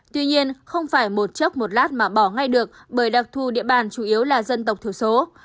tuy nhiên không phải một chốc một lát mà bỏ ngay được bởi đặc thù địa bàn chủ yếu là dân tộc thiểu số